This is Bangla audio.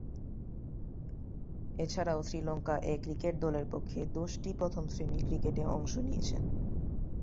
এছাড়াও শ্রীলঙ্কা এ ক্রিকেট দলের পক্ষে দশটি প্রথম-শ্রেণীর ক্রিকেটে অংশ নিয়েছেন।